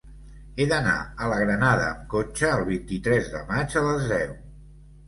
He d'anar a la Granada amb cotxe el vint-i-tres de maig a les deu.